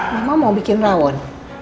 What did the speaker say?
mama mau bikin rawon